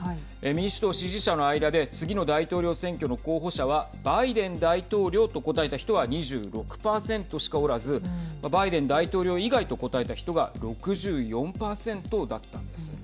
民主党支持者の間で次の大統領選挙の候補者はバイデン大統領と答えた人は２６％しかおらずバイデン大統領以外と答えた人が６４％だったんです。